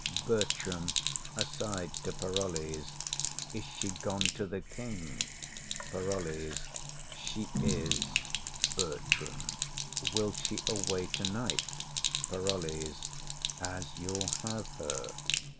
BERTRAM. [Aside to Parolles.] Is she gone to the king? PAROLLES. She is. BERTRAM. Will she away tonight? PAROLLES. As you'll have her.